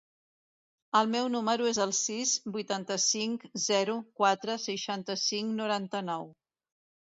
El meu número es el sis, vuitanta-cinc, zero, quatre, seixanta-cinc, noranta-nou.